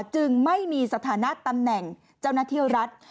จึงไม่มีสถานะตำแหน่งเจ้าหน้าที่รัฐ